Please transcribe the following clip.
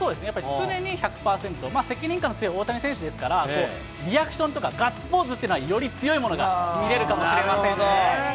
常に１００％、責任感の強い大谷選手ですから、リアクションとかガッツポーズというのは、より強いものが見れるかもしれませんね。